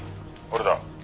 「俺だ」